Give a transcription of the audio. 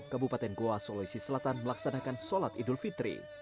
kabupaten goa sulawesi selatan melaksanakan sholat idul fitri